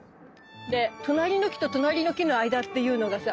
で隣の木と隣の木の間っていうのがさ